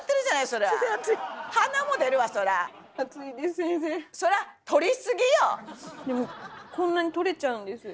でもこんなに取れちゃうんです。